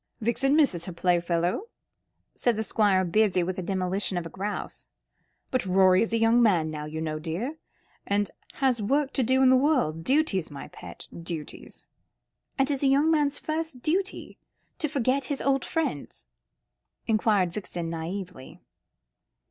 "Vixen misses her old playfellow," said the Squire, busy with the demolition of a grouse. "But Rorie is a young man now, you know, dear, and has work to do in the world duties, my pet duties." "And is a young man's first duty to forget his old friends?" inquired Vixen naïvely.